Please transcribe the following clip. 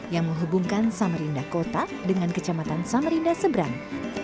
yang menghubungkan samarinda kota dengan kecamatan samarinda seberang